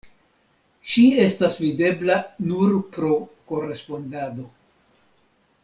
Ŝi estas videbla nur pro korespondado.